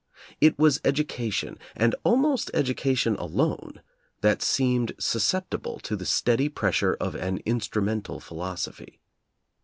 It was edu cation, and almost education alone, that seemed susceptible to the steady pressure of an "instru mental" philosophy.